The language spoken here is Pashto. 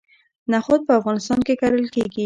نخود په افغانستان کې کرل کیږي.